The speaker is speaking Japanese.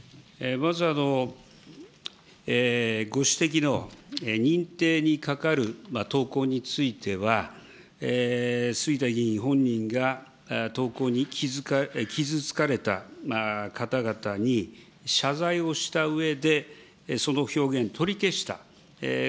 まず、ご指摘の認定にかかる投稿については、杉田議員本人が投稿に傷つかれた方々に謝罪をしたうえで、その表現取り消した。